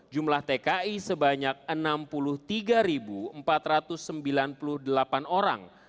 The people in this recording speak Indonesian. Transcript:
jumlah tki sebanyak enam puluh tiga empat ratus sembilan puluh delapan orang